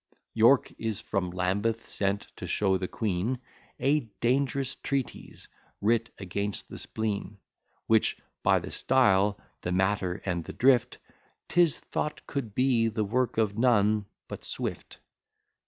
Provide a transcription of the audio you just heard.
York is from Lambeth sent, to show the queen A dang'rous treatise writ against the spleen; Which, by the style, the matter, and the drift, 'Tis thought could be the work of none but Swift.